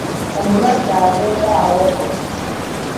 Omulwadde agenda awona.